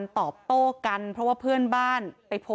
สวัสดีคุณผู้ชายสวัสดีคุณผู้ชาย